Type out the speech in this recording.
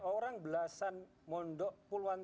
orang belasan mondok puluhan tahun itu santri